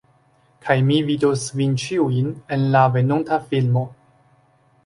Kaj mi vidos vin ĉiujn, en la venonta filmo